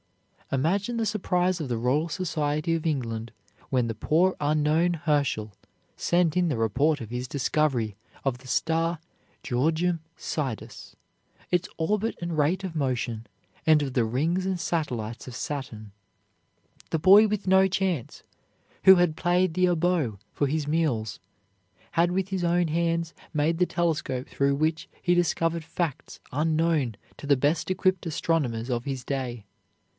Imagine the surprise of the Royal Society of England when the poor unknown Herschel sent in the report of his discovery of the star Georgium Sidus, its orbit and rate of motion; and of the rings and satellites of Saturn. The boy with no chance, who had played the oboe for his meals, had with his own hands made the telescope through which he discovered facts unknown to the best equipped astronomers of his day.